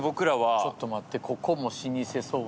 ちょっと待って。